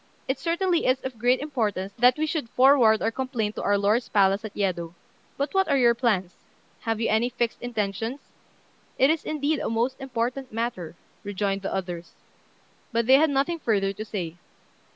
It certainly is of great importance that we should forward our complaint to our lord's palace at Yedo; but what are your plans? Have you any fixed intentions?" "It is, indeed, a most important matter," rejoined the others; but they had nothing further to say.